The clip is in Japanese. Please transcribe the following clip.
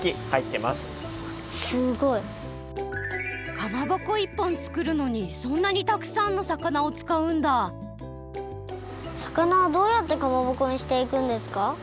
かまぼこ１本作るのにそんなにたくさんの魚をつかうんだ魚をどうやってかまぼこにしていくんですか？